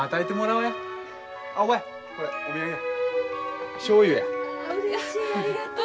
うれしいありがとう。